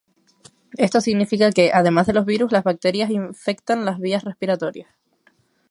Esto significa que, además de los virus, las bacterias infectan las vías respiratorias.